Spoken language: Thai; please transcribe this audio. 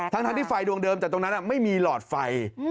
ทั้งที่ไฟดวงเดิมจากตรงนั้นไม่มีหลอดไฟ